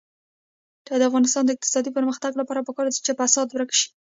د افغانستان د اقتصادي پرمختګ لپاره پکار ده چې فساد ورک شي.